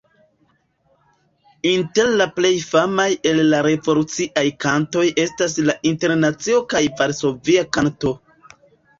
Inter la plej famaj el la revoluciaj kantoj estas La Internacio kaj Varsovia Kanto.